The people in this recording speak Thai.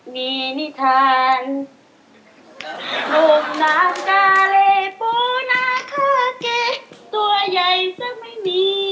นี่นี่ทานหลุมน้ำกาเลปูนาคาเกะตัวใหญ่ซะไม่มี